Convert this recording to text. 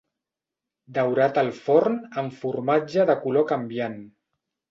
Daurat al forn amb formatge de color canviant.